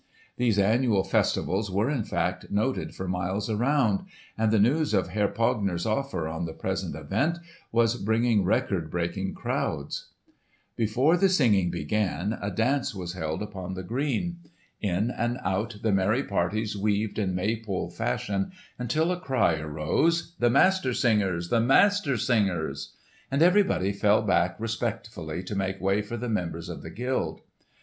These annual festivals were in fact noted for miles around; and the news of Herr Pogner's offer on the present event was bringing record breaking crowds. [Illustration: "Eva leaned her Head upon the good Shoemaker's Shoulder" Victor Prout] Before the singing began, a dance was held upon the green. In and out the merry parties weaved in May pole fashion until a cry arose, "The Master Singers! the Master Singers!" and everybody fell back respectfully to make way for the members of the guild.